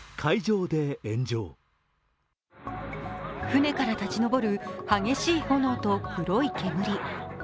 船から立ち上る激しい炎と黒い煙。